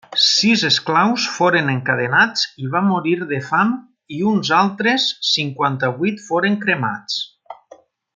Sis esclaus foren encadenats i va morir de fam i uns altres cinquanta-vuit foren cremats.